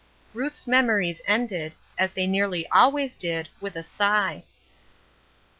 Ruth's memories ended, as they nearly always did, with a sigh.